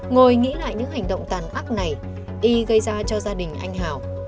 ngồi nghĩ lại những hành động tàn ác này y gây ra cho gia đình anh hào